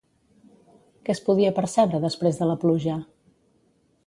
Què es podia percebre després de la pluja?